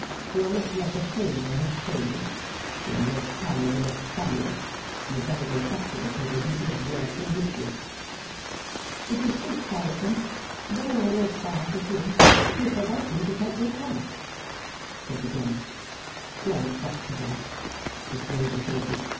You are not worth the favour I have shown you. You are no higher than a spaniel, and had better go back to the people who did worse than whip you.' 'If you speak so of them with any one else by to hear, you'll provoke me to take their part,' said the girl. 'Go back to them,' Miss Wade retorted.